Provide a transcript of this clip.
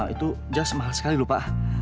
itu jas mahal sekali lupa